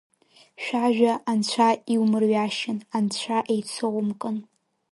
Шәажәа Анцәа иумырҩашьан, Анцәа еицоумкын.